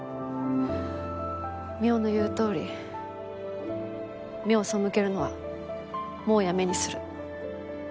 望緒の言うとおり目を背けるのはもうやめにする。